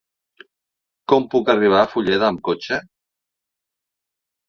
Com puc arribar a Fulleda amb cotxe?